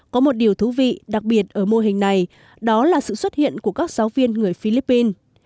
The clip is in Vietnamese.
có một điều thú vị đặc biệt ở mô hình này đó là sự xuất hiện của các giáo viên người philippines